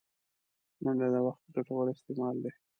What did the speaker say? منډه د وخت ګټور استعمال دی